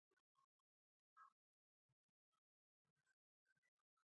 له شدید فشار وروسته زیانمنېږي